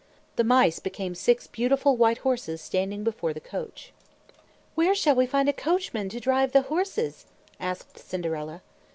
The mice became six beautiful white horses standing before the coach. "Where shall we find a coachman to drive the horses?" asked Cinderella.